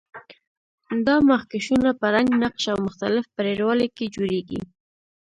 دا مخکشونه په رنګ، نقش او مختلف پرېړوالي کې جوړیږي.